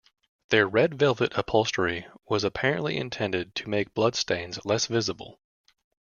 Their red velvet upholstery was apparently intended to make bloodstains less visible.